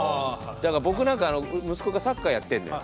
だから僕なんか息子がサッカーやってんのよ。